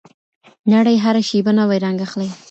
نړۍ هره شیبه نوی رنګ اخلي.